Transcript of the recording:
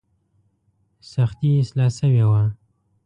سختي یې اصلاح شوې وه.